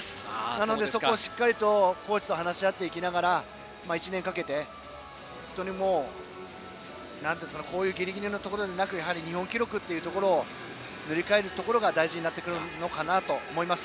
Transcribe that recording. なのでそこをしっかりとコーチと話し合っていきながら１年かけて、こういうギリギリのところではなく日本記録というところを塗り替えることが大事になってくると思います。